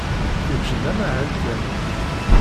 Kečč d amahal kan.